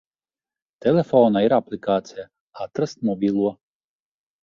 Telefonā ir aplikācija "Atrast mobilo".